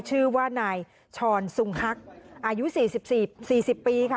ชื่อว่านายชรสุงฮักอายุ๔๐ปีค่ะ